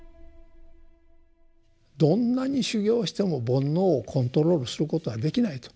どんなに修行しても煩悩をコントロールすることはできないと。